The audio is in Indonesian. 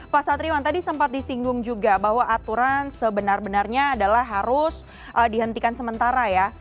pak satriwan tadi sempat disinggung juga bahwa aturan sebenar benarnya adalah harus dihentikan sementara ya